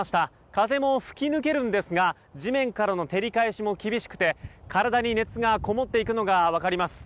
風も吹き抜けるんですが地面からの照り返しも厳しくて体に熱がこもっていくのが分かります。